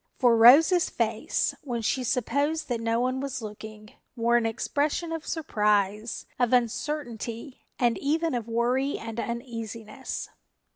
For Rose's face, when she supposed that no one was looking, wore an expression of surprise, of uncertainty and even of worry and uneasiness.